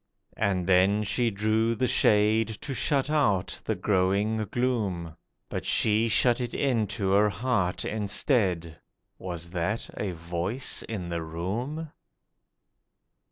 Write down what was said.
And then she drew the shade, to shut out the growing gloom, But she shut it into her heart instead. (Was that a voice in the room?)